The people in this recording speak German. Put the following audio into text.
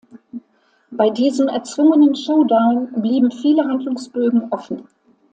Bei diesem erzwungenen „Showdown“ blieben viele Handlungsbögen offen.